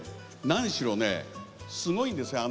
何しろねすごいんですよ。